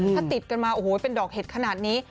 ถ้าติดกันมาโอ้โหเป็นดอกเห็ดขนาดนี้